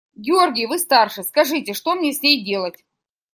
– Георгий, вы старше, скажите, что мне с ней делать?